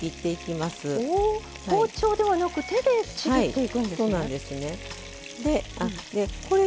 包丁ではなく手でちぎっていくんですね。